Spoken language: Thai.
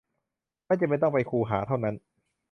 ไม่จำเป็นต้องไปคูหาเท่านั้น